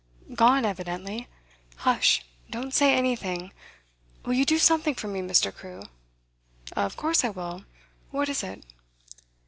'Gone, evidently. Hush! Don't say anything. Will you do something for me, Mr. Crewe?' 'Of course I will. What is it?